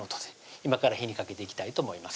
今から火にかけていきたいと思います